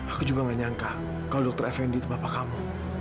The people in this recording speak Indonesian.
aku juga nggak nyangka kalau dokter effendy itu bapakmu